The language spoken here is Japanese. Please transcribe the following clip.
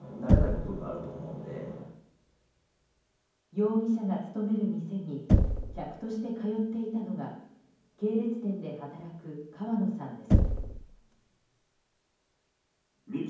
容疑者が勤める店に客として通っていたのが系列店で働く川野さんです。